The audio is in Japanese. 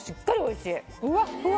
ふわふわ。